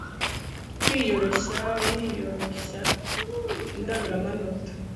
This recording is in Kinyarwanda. Kwiyoroshya wiyoro s h ya Indangamanota